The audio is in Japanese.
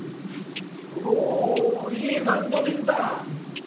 おいいマンドリンだ。